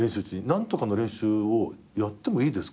何とかの練習をやってもいいですか？